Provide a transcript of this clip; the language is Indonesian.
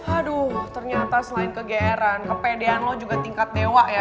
aduh ternyata selain kegeeran kepedean lo juga tingkat dewa ya